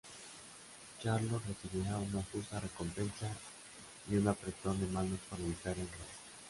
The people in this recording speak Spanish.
Charlot recibirá una justa recompensa y un apretón de manos por evitar el robo.